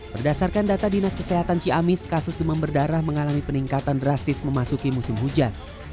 berdasarkan data dinas kesehatan ciamis kasus demam berdarah mengalami peningkatan drastis memasuki musim hujan